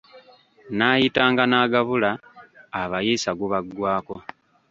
Nnaayitanga n’agabula, abayiisa gubaggwako.